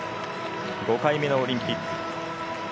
５回目のオリンピック。